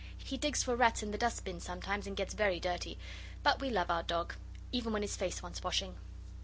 He digs for rats in the dustbin sometimes, and gets very dirty. But we love our dog, even when his face wants washing.